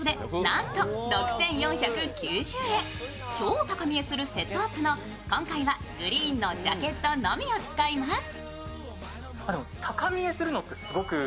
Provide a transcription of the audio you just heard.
超高見えするセットアップの今回はグリーンのジャケットのみを使います。